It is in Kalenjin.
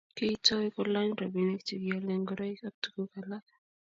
kiitou kulany robini che kiolen ngoroik ak tuguk alak